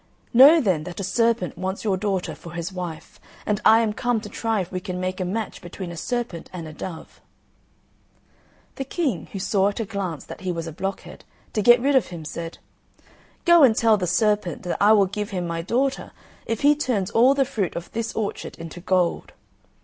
"Know then that a serpent wants your daughter for his wife, and I am come to try if we can make a match between a serpent and a dove!" The King, who saw at a glance that he was a blockhead, to get rid of him, said, "Go and tell the serpent that I will give him my daughter if he turns all the fruit of this orchard into gold."